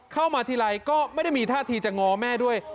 เข้ามาทีไรก็ไม่ได้มีท่าทีจะง้อแม่ด้วย